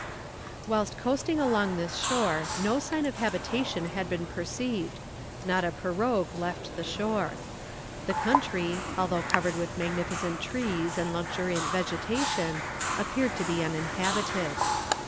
Whilst coasting along this shore no sign of habitation had been perceived not a pirogue left the shore. The country, although covered with magnificent trees and luxuriant vegetation, appeared to be uninhabited.